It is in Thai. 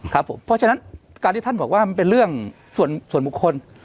ครับผมเพราะฉะนั้นการที่ท่านบอกว่ามันเป็นเรื่องส่วนบุคคล